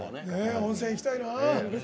温泉、行きたいな。